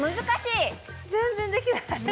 全然できない。